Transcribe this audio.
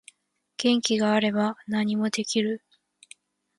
元気があれば何でもできる